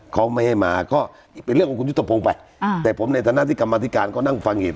เขาไม่ให้มาก็เป็นเรื่องของคุณยุทธพงศ์ไปอ่าแต่ผมในฐานะที่กรรมธิการก็นั่งฟังเหตุ